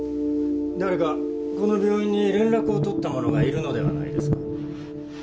誰かこの病院に連絡を取った者がいるのではないですか？